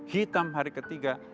hitam hari ketiga